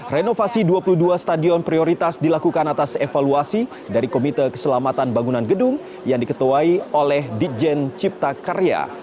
renovasi dua puluh dua stadion prioritas dilakukan atas evaluasi dari komite keselamatan bangunan gedung yang diketuai oleh ditjen cipta karya